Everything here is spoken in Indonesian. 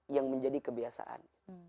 yang menjadi kebiasaan